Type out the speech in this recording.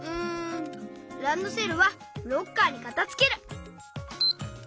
ランドセルはロッカーにかたづける。